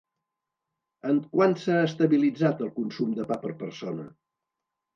En quant s'ha estabilitzat el consum de pa per persona?